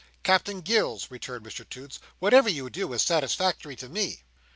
"Captain Gills," returned Mr Toots, "whatever you do, is satisfactory to me."